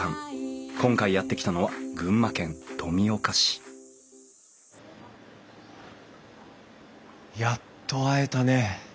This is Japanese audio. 今回やって来たのは群馬県富岡市やっと会えたね。